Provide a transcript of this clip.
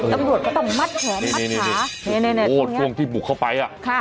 ตำรวจต้องมัดแขนมัดขานี่นี่ตรงนี้โหช่วงที่บุกเข้าไปอะค่ะ